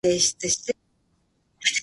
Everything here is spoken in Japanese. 必ず、かつ